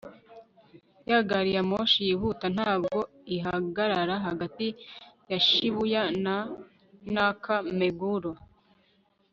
gari ya moshi yihuta ntabwo ihagarara hagati ya shibuya na naka-meguro